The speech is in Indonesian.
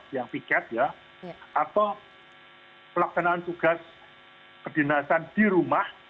yang tiket ya atau pelaksanaan tugas kedinasan di rumah